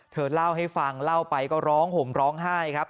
เธอเล่าให้ฟังเล่าไปก็ร้องห่มร้องไห้ครับ